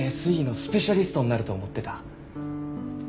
ＳＥのスペシャリストになると思ってた。